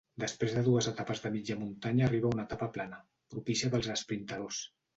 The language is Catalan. Després de dues etapes de mitja muntanya arriba una etapa plana, propícia pels esprintadors.